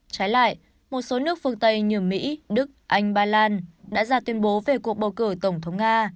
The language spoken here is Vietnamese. trái lại một số nước phương tây như mỹ đức anh ba lan đã ra tuyên bố về cuộc bầu cử tổng thống nga